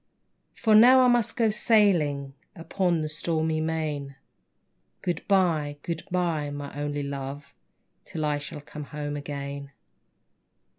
For now I must go sailing Upon the stormy main ; Good bye, good bye, my only Love, Till I shall come again.